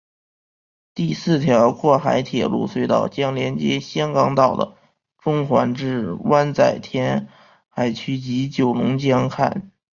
第四条过海铁路隧道将连接香港岛的中环至湾仔填海区及九龙红磡。